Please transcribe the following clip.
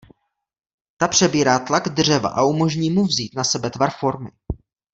Ta přebírá tlak dřeva a umožní mu vzít na sebe tvar formy.